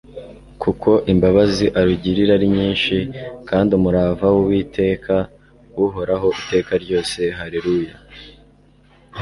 Kuko imbabazi arugirira ari nyinshi, Kandi umurava w'Uwiteka Uhoraho iteka ryose. Haleluya.y»